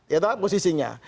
ya tetap posisinya